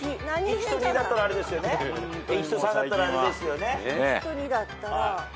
１と３だったらあれですよね？